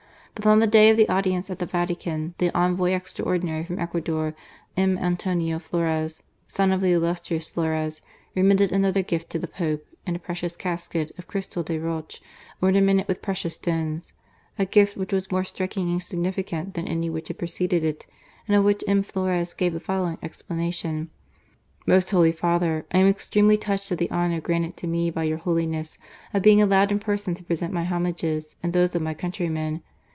But on the day of the audience at the Vatican, the Envoy Extraordinary from Ecuador, M. Antonio Flores (son of the illustrious Flores) remitted another gift to the Pope, in a precious casket of crystal de roche, ornamented with precious stones — a gift which was more striking and significant than any which had preceded it, and of which M. Flores gave the following explanation :" Most Holy Father, I am extremely touched at the honour granted to me by your Holiness of being allowed in person to present my homages, and those of my countrymen, in